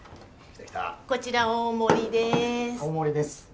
こちら大盛りです。